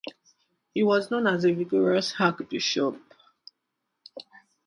He was known as a vigorous Archbishop.